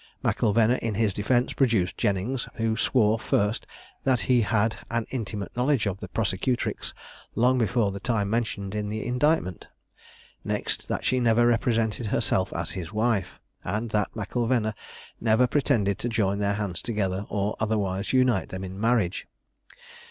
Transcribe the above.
M'Ilvena, in his defence, produced Jennings, who swore, first, that he had an intimate knowledge of the prosecutrix long before the time mentioned in the indictment; next, that she never represented herself as his wife; and that M'Ilvena never pretended to join their hands together, or otherwise unite them in marriage.